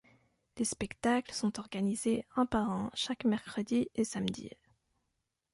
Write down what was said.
Les spectacles sont organisés, un par un, chaque mercredi et samedi.